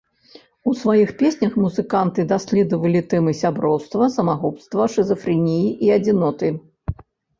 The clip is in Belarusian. У сваіх песнях музыканты даследавалі тэмы сяброўства, самагубства, шызафрэніі і адзіноты.